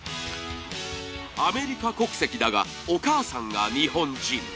アメリカ国籍だがお母さんが日本人。